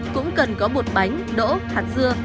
cũng cần có bột bánh đỗ hạt dưa